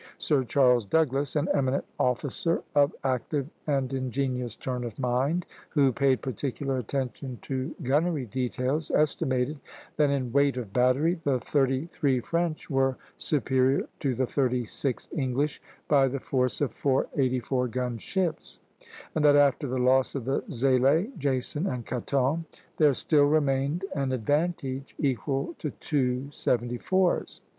Sir Charles Douglas, an eminent officer of active and ingenious turn of mind, who paid particular attention to gunnery details, estimated that in weight of battery the thirty three French were superior to the thirty six English by the force of four 84 gun ships; and that after the loss of the "Zélé," "Jason," and "Caton" there still remained an advantage equal to two seventy fours.